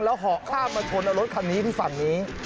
แล้วเหาะข้ามมาชนเอารถคันนี้ที่ฝั่งนี้